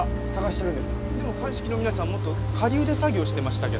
でも鑑識の皆さんもっと下流で作業してましたけど。